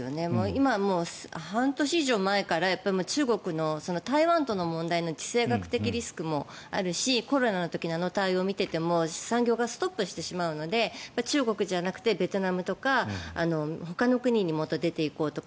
今、もう半年以上前から中国の台湾との問題の地政学的リスクもあるしコロナの時の対応を見てても産業がストップしてしまうので中国じゃなくてベトナムとかほかの国にもっと出ていこうとか。